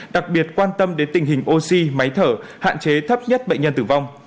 đặc biệt quan tâm đến tình hình oxy máy thở hạn chế thấp nhất bệnh nhân tử vong